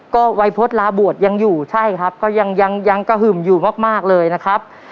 ก็วัยพฤษลาบวชยังอยู่ใช่ครับก็ยังยังกระหึ่มอยู่มากเลยนะครับ